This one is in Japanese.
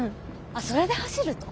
あっそれで走ると。